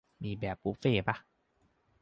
มีแบบบุฟเฟ่ต์ป่ะ ?